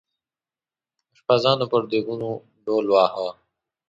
اشپزانو پر دیګونو ډول واهه.